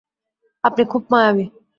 আপনি খুব মায়াবী।